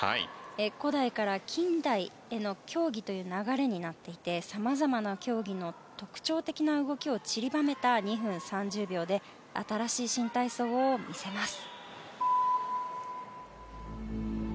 古代から近代への競技という流れになっていてさまざまな競技の特徴的な動きを散りばめた２分３０秒で新しい新体操を見せます。